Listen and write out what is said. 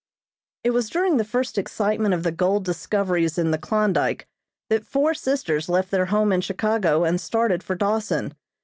It was during the first excitement of the gold discoveries in the Klondyke that four sisters left their home in Chicago and started for Dawson.